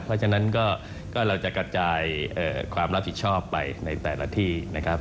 เพราะฉะนั้นก็เราจะกระจายความรับผิดชอบไปในแต่ละที่นะครับ